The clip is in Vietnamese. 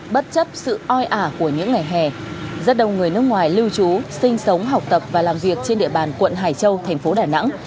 bất chấp sự oi ả của những ngày hè rất đông người nước ngoài lưu trú sinh sống học tập và làm việc trên địa bàn quận hải châu thành phố đà nẵng